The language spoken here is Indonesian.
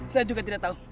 saya juga tidak tahu